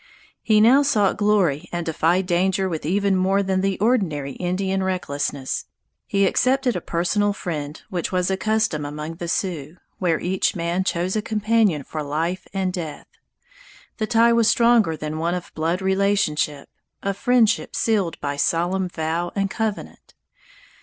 He now sought glory and defied danger with even more than the ordinary Indian recklessness. He accepted a personal friend, which was a custom among the Sioux, where each man chose a companion for life and death. The tie was stronger than one of blood relationship, a friendship sealed by solemn vow and covenant.